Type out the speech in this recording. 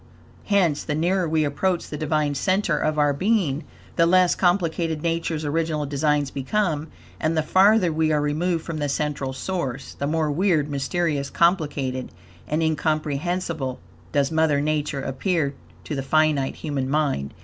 Hence, the nearer we approach the Divine center of our being, the less complicated Nature's original designs become, and the farther we are removed from that central source, the more weird, mysterious, complicated, and incomprehensible, does Mother Nature appear, to the finite human mind.